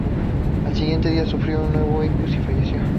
Al siguiente día sufrió un nuevo ictus y falleció.